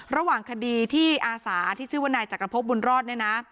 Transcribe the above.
ระหว่างคดีที่อาสาที่ชื่อว่านายจักรพบบุญรอดเนี่ยนะ